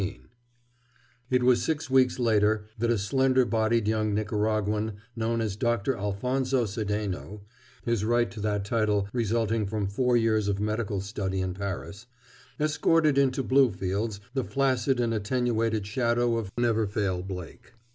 XVIII It was six weeks later that a slender bodied young Nicaraguan known as Doctor Alfonso Sedeno (his right to that title resulting from four years of medical study in Paris) escorted into Bluefields the flaccid and attenuated shadow of Never Fail Blake.